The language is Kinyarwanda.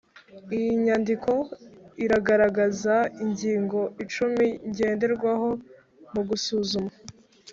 iyi nyandiko iragaragaza ingingo icumi ngenderwaho mu gusuzuma